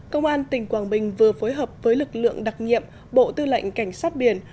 công an tỉnh quảng bình vừa phối hợp với lực lượng đặc nhiệm bộ tư lệnh cảnh sát biển